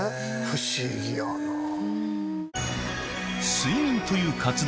不思議やなぁ。